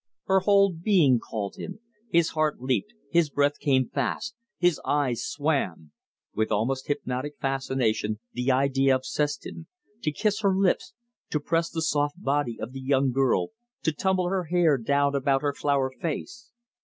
Her whole being called him. His heart leaped, his breath came fast, his eyes swam. With almost hypnotic fascination the idea obsessed him to kiss her lips, to press the soft body of the young girl, to tumble her hair down about her flower face.